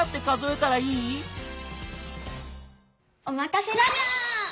おまかせラジャー！